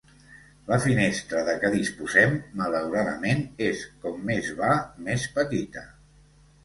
La finestra de què disposem, malauradament, és com més va més petita.